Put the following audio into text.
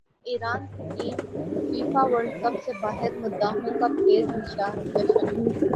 ایران کی team FIFA World cup سے باہرمداحوں کا پھر بھی جشن